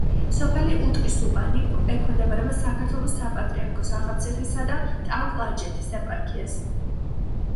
სოფელი უტყისუბანი ექვემდებარება საქართველოს საპატრიარქოს ახალციხისა და ტაო-კლარჯეთის ეპარქიას.